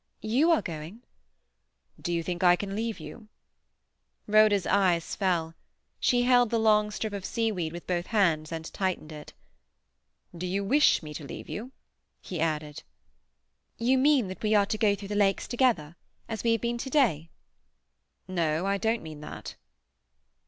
"You are going?" "Do you think I can leave you?" Rhoda's eyes fell. She held the long strip of seaweed with both hands and tightened it. "Do you wish me to leave you?" he added. "You mean that we are to go through the lakes together—as we have been to day?" "No. I don't mean that."